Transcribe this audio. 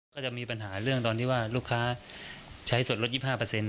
ก็จะมีปัญหาเรื่องตอนที่ว่าลูกค้าใช้สดลดยิบห้าเปอร์เซ็นต์